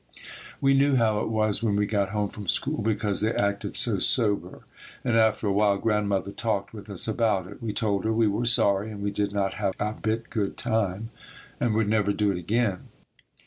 We knew how it was when we got home from school, because they acted so sober, and, after a while, Grandmother talked with us about it. We told her we were sorry and we did not have a bit good time and would never do it again.